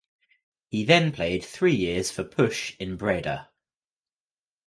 He then played three years for Push in Breda.